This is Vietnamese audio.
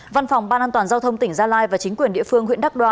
văn phòng ban an toàn giao thông tỉnh gia lai và chính quyền địa phương huyện đắc đoa